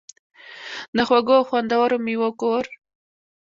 د خوږو او خوندورو میوو کور.